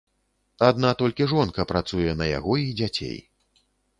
Адна толькі жонка працуе на яго і дзяцей.